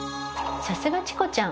さすがチコちゃん！